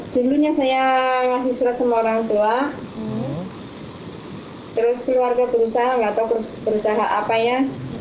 jadinya saya mengatur semua orang tua terus keluarga perusahaan atau perusahaan apanya